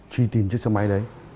truy tìm chiếc xe máy đấy